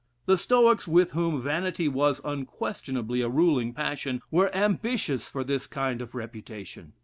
The Stoics, with whom vanity was unquestionably a ruling passion, were ambitious for this kind of reputation.